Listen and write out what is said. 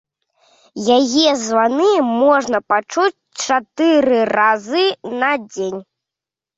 Яе званы можна пачуць чатыры разы на дзень.